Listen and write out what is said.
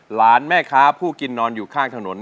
หลานแม่ค้าผู้กินนอนอยู่ข้างถนน